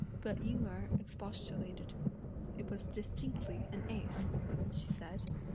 But Ying Erh expostulated, "It was distinctly an ace," she said.